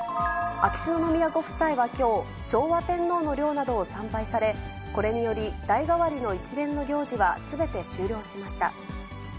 秋篠宮ご夫妻はきょう、昭和天皇の陵などを参拝され、これにより、代替わりの一連の行事はすべて終了しました。